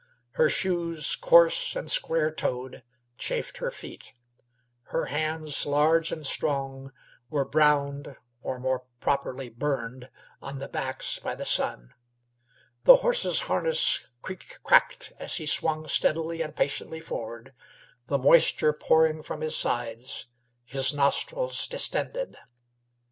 Her shoes, coarse and square toed, chafed her feet; her hands, large and strong, were browned, or, more properly, burnt, on the backs by the sun. The horse's harness "creak cracked" as he swung steadily and patiently forward, the moisture pouring from his sides, his nostrils distended.